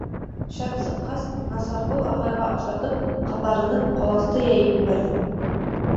Шәп сыҡҡас, Насырғол ағайға оҡшатып, ҡабарынып, ҡоласты йәйеп ебәрҙем: